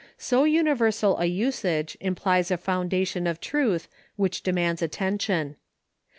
So universal a usage implies a foundation of truth which demands attention.